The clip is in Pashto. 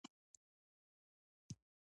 غوماشې د وینې خوند ته لیوالې وي.